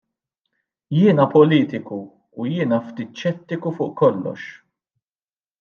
Jiena politiku u jien ftit xettiku fuq kollox.